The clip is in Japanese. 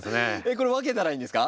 これ分けたらいいんですか？